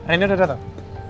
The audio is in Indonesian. rainier udah datang